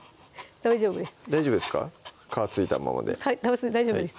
大丈夫です大丈夫ですか皮付いたままで大丈夫です